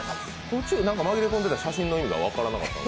途中、紛れ込んでた写真の意味が分からんかった。